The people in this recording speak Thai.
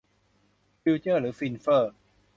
ฟิวเจอร์หรือฟินเฟร่อ